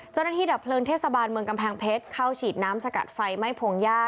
เจ้าหน้าที่ดับเพลินเทศบาลเมืองกำแพงเพชรเข้าฉีดน้ำสกัดไฟไหม้โผงหญ้า